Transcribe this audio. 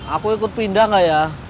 aku ikut pindah gak ya